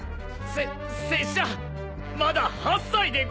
せ拙者まだ８歳でござる！